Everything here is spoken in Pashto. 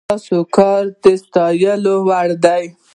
ستا کار د ستايلو وړ دی